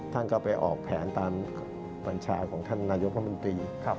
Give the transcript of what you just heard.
ท่านก็ไปออกแผนตามบัญชาของท่านนายกรัฐมนตรี